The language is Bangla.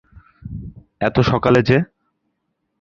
এত সকালে যে?